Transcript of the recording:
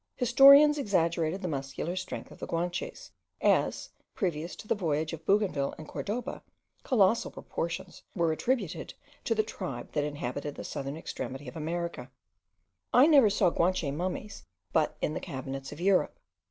Historians exaggerated the muscular strength of the Guanches, as, previous to the voyage of Bougainville and Cordoba, colossal proportions were attributed to the tribe that inhabited the southern extremity of America. I never saw Guanche mummies but in the cabinets of Europe.